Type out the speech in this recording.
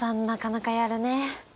なかなかやるね。